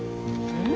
うん。